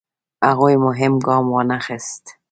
هغوی مهم ګام وانخیست.